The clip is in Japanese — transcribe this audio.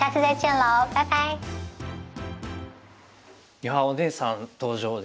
いやお姉さん登場で。